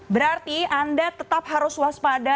berarti anda tetap harus waspada